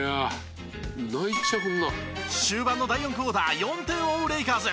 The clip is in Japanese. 終盤の第４クオーター４点を追うレイカーズ。